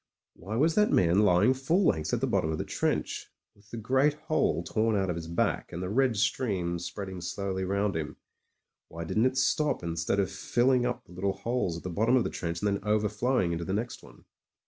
Why was that man lying full length at the bottom of the trench, with the great hole torn out of his back, and the red stream spreading slowly rotmd him ; why didn't it stop instead of filling up the Uttle holes at the bottom of the trench and then overflowing into the next one?